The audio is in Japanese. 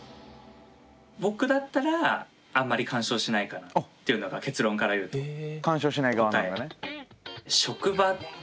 僕だったらあんまり干渉しないかなっていうのが結論から言うと答え。